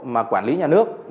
mà quản lý nhà nước